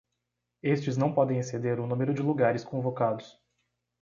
Estes não podem exceder o número de lugares convocados.